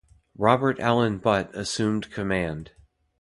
Robert Alan Butt assumed command.